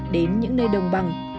đến những nơi đồng bằng